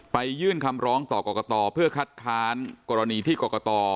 ยื่นคำร้องต่อกรกตเพื่อคัดค้านกรณีที่กรกต